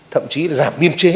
thậm chí là giảm miêm chế